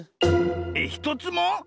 えっひとつも？